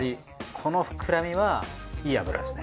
この膨らみはいい脂ですね。